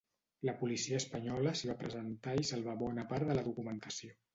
La policia espanyola s’hi va presentar i salvà bona part de la documentació.